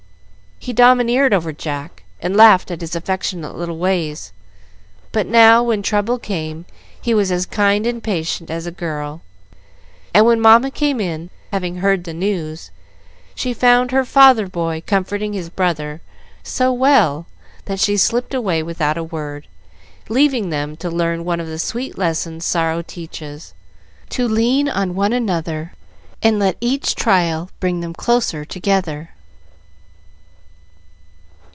He domineered over Jack and laughed at his affectionate little ways, but now when trouble came, he was as kind and patient as a girl; and when Mamma came in, having heard the news, she found her "father boy" comforting his brother so well that she slipped away without a word, leaving them to learn one of the sweet lessons sorrow teaches to lean on one another, and let each trial bring them closer together.